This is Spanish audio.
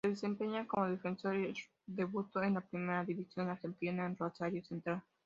Se desempeñaba como defensor y debutó en la Primera División Argentina en Rosario Central.